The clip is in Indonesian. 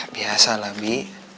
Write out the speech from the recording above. biasa lah bi